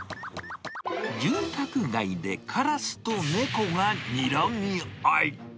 住宅街でカラスと猫がにらみ合い。